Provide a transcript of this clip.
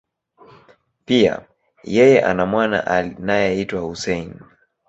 Pia, yeye ana mwana anayeitwa Hussein.